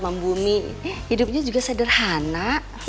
membumi hidupnya juga sederhana